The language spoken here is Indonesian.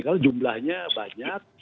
kalau jumlahnya banyak